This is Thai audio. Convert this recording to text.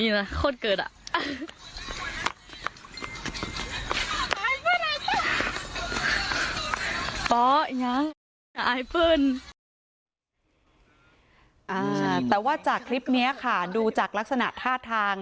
แต่ว่าจากคลิปนี้ค่ะดูจากลักษณะท่าทาง